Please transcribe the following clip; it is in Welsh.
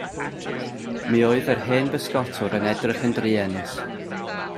Mi oedd yr hen bysgotwr yn edrych yn druenus.